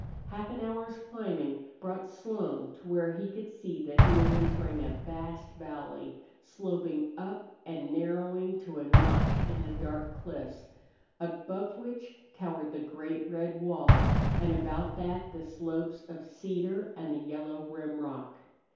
Half an hour's climbing brought Slone to where he could see that he was entering a vast valley, sloping up and narrowing to a notch in the dark cliffs, above which towered the great red wall and about that the slopes of cedar and the yellow rim rock.